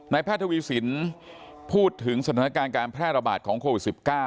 แพทย์ทวีสินพูดถึงสถานการณ์การแพร่ระบาดของโควิด๑๙